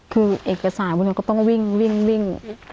คือเอกสารก็ต้องวิ่งวิ่งวิ่ง